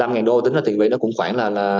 một mươi năm ngàn đô tính tiền vị cũng khoảng